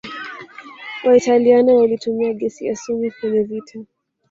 waitaliano walitumia gesi ya sumu kwenye vita